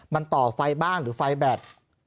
มันต่อไฟบ้านหรือไฟแบต